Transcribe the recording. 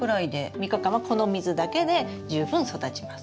３日間はこの水だけで十分育ちます。